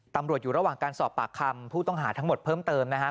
ตำรวจอยู่ระหว่างการสอบปากคำผู้ต้องหาทั้งหมดเพิ่มเติมนะฮะ